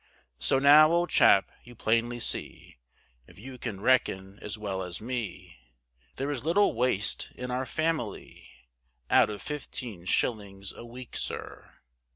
So now, old chap, you plainly see, If you can reckon as well as me, There is little waste in our family, Out of fifteen shillings a week, sir.